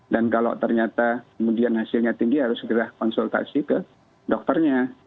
dan kalau ternyata kemudian hasilnya tinggi harus kita konsultasi ke dokternya